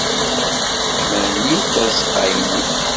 Mani tazeqqa-nnek?